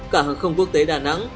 cả hàng không quốc tế đà nẵng